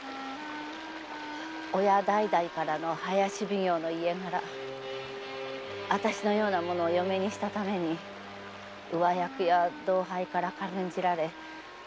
親の代から林奉行の家柄わたしのような者を嫁にしたために上役や同輩から軽んじられそのあげくに。